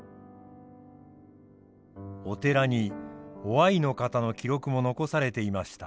お寺に於愛の方の記録も残されていました。